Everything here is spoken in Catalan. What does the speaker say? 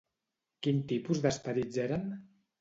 Quin tipus d'esperits eren?